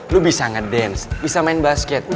lo bisa ngedance bisa main basket